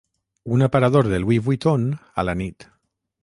Un aparador de Louis Vuitton a la nit